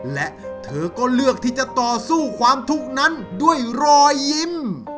และเธอก็เลือกที่จะต่อสู้ความทุกข์นั้นด้วยรอยยิ้ม